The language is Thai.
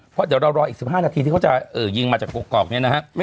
เพราะเดี๋ยวเรารออีก๑๕นาทีที่เขาจะยิงมาจากกรอกเนี่ยนะฮะ